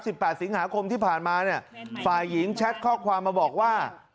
แปดสิงหาคมที่ผ่านมาเนี่ยฝ่ายหญิงแชทข้อความมาบอกว่า